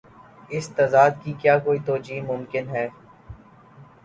اس تضاد کی کیا کوئی توجیہہ ممکن ہے؟